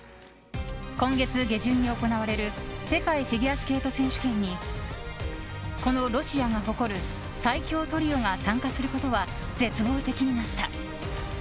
今月下旬に行われる世界フィギュアスケート選手権にこのロシアが誇る最強トリオが参加することは絶望的になった。